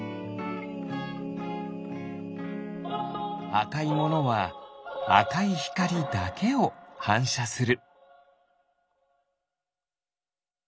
あかいものはあかいひかりだけをはんしゃする。